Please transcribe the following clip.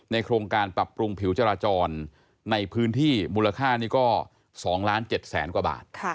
ในโครงการปรับปรุงผิวจราจรในพื้นที่มูลค่านี่ก็๒๗๐๐๐๐๐บาท